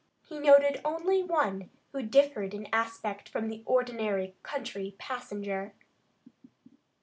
He noted only one who differed in aspect from the ordinary country passenger.